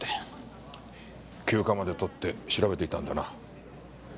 休暇まで取って調べていたんだな？